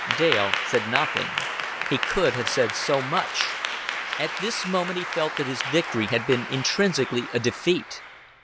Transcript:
Dale said nothing. He could have said so much. At this moment he felt that his victory had been intrinsically a defeat.